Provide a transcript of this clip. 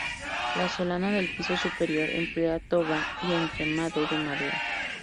La solana del piso superior emplea toba y entramado de madera.